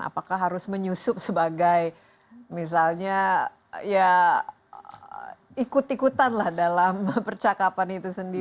apakah harus menyusup sebagai misalnya ya ikut ikutan lah dalam percakapan itu sendiri